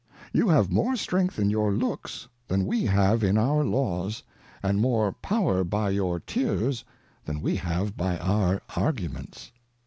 You have more strength in your Looks, than we have in our Laws^ AndL more power by your Tears, than we have by our Arguments.